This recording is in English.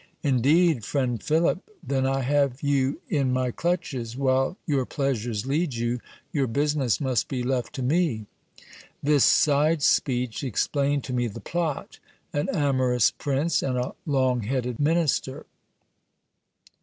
"Indeed, friend Philip ! then I have you in my clutches : while your pleasures lead you, your business must be left to me!" This side speech explained to me the plot ; an amorous prince, and a long headed minister